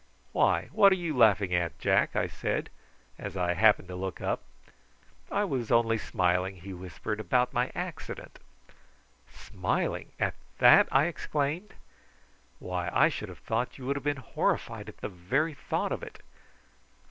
"Why, what are you laughing at, Jack?" I said, as I happened to look up. "I was only smiling," he whispered, "about my accident." "Smiling at that!" I exclaimed. "Why, I should have thought you would have been horrified at the very thought of it."